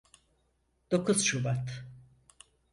Dokuz Şubat.